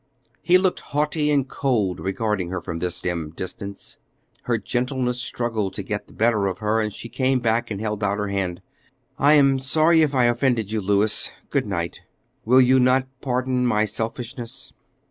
He looked haughty and cold regarding her from this dim distance. Her gentleness struggled to get the better of her, and she came back and held out her hand. "I am sorry if I offended you, Louis; good night. Will you not pardon my selfishness?"